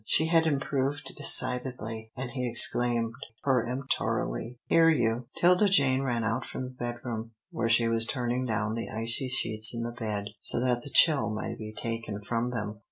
She had improved decidedly, and he exclaimed, peremptorily, "Here, you!" 'Tilda Jane ran out from the bedroom, where she was turning down the icy sheets in the bed so that the chill might be taken from them.